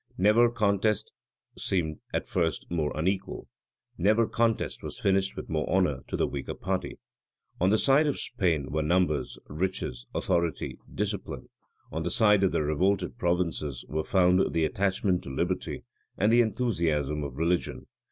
Never contest seemed, at first, more unequal; never contest was finished with more honor to the weaker party. On the side of Spain were numbers, riches, authority, discipline: on the side of the revolted provinces were found the attachment to liberty and the enthusiasm of religion.